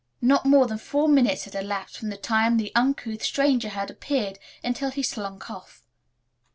Not more than four minutes had elapsed from the time the uncouth stranger had appeared until he slunk off.